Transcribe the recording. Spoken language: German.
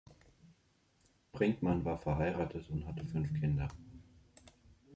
Brinkmann war verheiratet und hatte fünf Kinder.